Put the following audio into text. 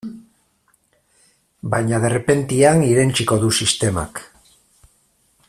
Baina derrepentean irentsiko du sistemak.